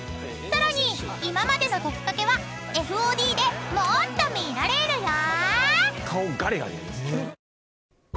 ［さらに今までの『トキカケ』はＦＯＤでもーっと見られるよ］